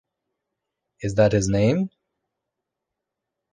Is that his name?